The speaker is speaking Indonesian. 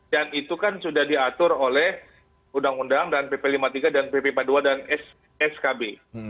dan itu kan sudah diatur oleh undang undang dan pp lima puluh tiga dan pp empat puluh dua dan skb